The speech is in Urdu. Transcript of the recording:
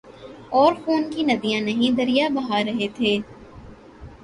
اورخون کی ندیاں نہیں دریا بہہ رہے تھے۔